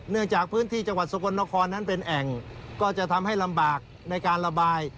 เนื่องจากพื้นที่จังหวัดสกลนครนั้นเป็นแอ่งก็จะทำให้ลำบากในการระบาย